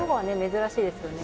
珍しいですよね。